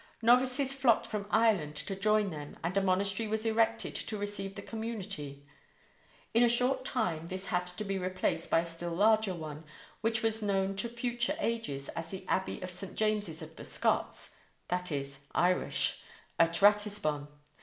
Novices flocked from Ireland to join them and a monastery was erected to receive the community. In a short time this had to be replaced by a still larger one, which was known to future ages as the Abbey of St. James's of the Scots (that is, Irish) at Ratisbon.